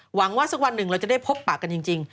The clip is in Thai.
หวังว่าสักวันหนึ่งเราจะได้พบปากกันจริง